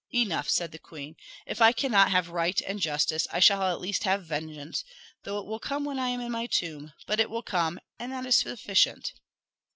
"Enough," said the queen: "if I cannot have right and justice I shall at least have vengeance, though it will come when I am in my tomb. But it will come, and that is sufficient."